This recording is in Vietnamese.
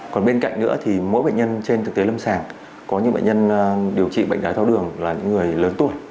còn bên cạnh nữa thì mỗi bệnh nhân trên thực tế lâm sàng có những bệnh nhân điều trị bệnh đái tháo đường là những người lớn tuổi